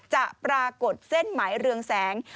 จะปรากฏเส้นหมายเรืองแสง